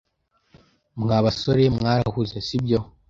Mwa basore mwarahuze, sibyo?